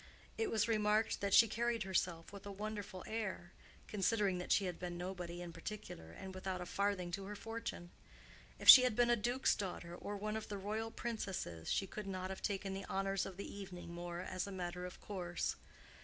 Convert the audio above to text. It was remarked that she carried herself with a wonderful air, considering that she had been nobody in particular, and without a farthing to her fortune. If she had been a duke's daughter, or one of the royal princesses, she could not have taken the honors of the evening more as a matter of course.